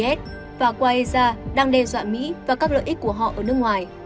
isis và qaiza đang đe dọa mỹ và các lợi ích của họ ở nước ngoài